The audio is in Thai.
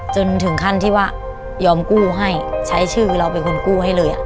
จนถึงขั้นที่ว่ายอมกู้ให้ใช้ชื่อเราเป็นคนกู้ให้เลย